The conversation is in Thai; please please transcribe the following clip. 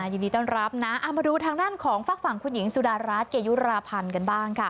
ยินดีต้อนรับนะเอามาดูทางด้านของฝากฝั่งคุณหญิงสุดารัฐเกยุราพันธ์กันบ้างค่ะ